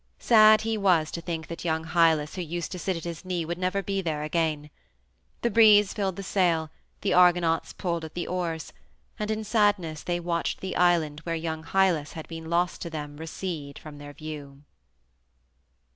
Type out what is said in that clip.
Sad he was to think that young Hylas who used to sit at his knee would never be there again. The breeze filled the sail, the Argonauts pulled at the oars, and in sadness they watched the island where young Hylas had been lost to them recede from their view.